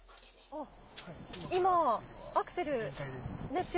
あっ、今アクセル。